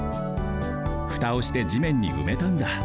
ふたをしてじめんにうめたんだ。